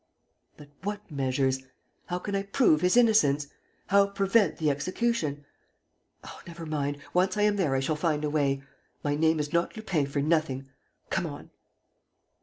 ... But what measures? How can I prove his innocence? ... How prevent the execution? Oh, never mind! Once I am there, I shall find a way. My name is not Lupin for nothing! ... Come on!